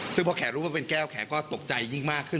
ซึ่งพอแขนรู้มันเป็นแก้วแขนก็ตกใจยิ่งมากขึ้น